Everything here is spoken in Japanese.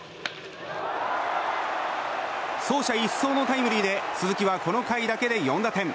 走者一掃のタイムリーで鈴木はこの回だけで４打点。